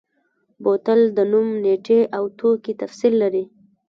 بوتل د نوم، نیټې او توکي تفصیل لري.